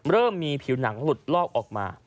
เริ่มมีผิวหนังหลุดลอกออกมา